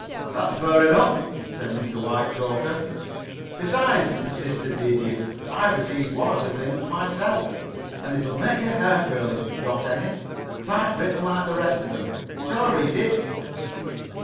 "That's fair enough," said Mr. Whitechoker. "Besides," persisted the Idiot, "I've received one of the things myself, and it'll make your hair curl, if you've got any. Typewritten like the rest of 'em. Shall I read it?"